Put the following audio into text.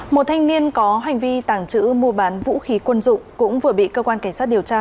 một thanh niên có hành vi tàng trữ mua bán vũ khí quân dụng cũng vừa bị cơ quan cảnh sát điều tra